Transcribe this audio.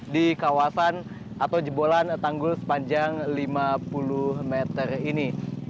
di kawasan atau jebolan tanggul sepanjang lima puluh meter ini